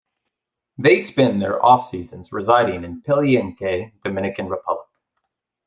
They spend their off-seasons residing in Palenque, Dominican Republic.